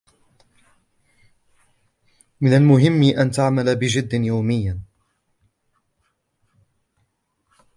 من المهم ان تعمل بحد يوميا